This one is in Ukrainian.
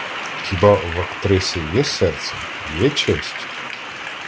Хіба в актриси є серце, є честь??